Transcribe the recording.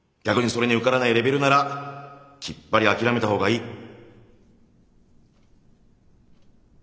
逆にそれに受からないレベルならきっぱり諦めた方がいい。